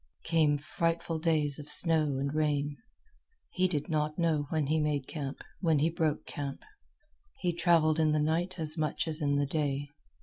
Came frightful days of snow and rain. He did not know when he made camp, when he broke camp. He travelled in the night as much as in the day.